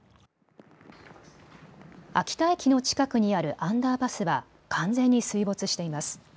秋田駅の近くにあるアンダーパスは完全に水没しています。